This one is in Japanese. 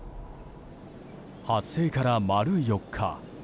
発生から丸４日。